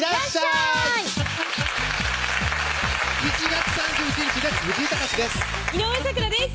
７月３１日です